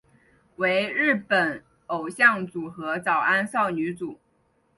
为日本偶像组合早安少女组。